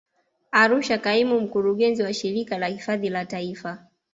Arusha Kaimu Mkurugenzi wa Shirika la hifadhi za Taifa